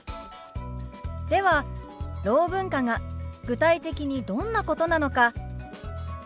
ではろう文化が具体的にどんなことなのか